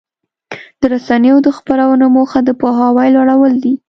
د رسنیو د خپرونو موخه د پوهاوي لوړول دي.